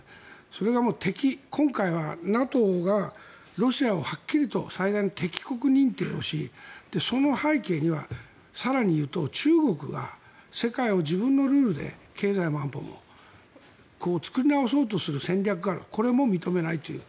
それが今回はＮＡＴＯがロシアをはっきりと最大の敵国認定をしその背景には更にいうと中国が世界を自分のルールで経済も安保も作り直そうとする戦略があるこれも認めないという。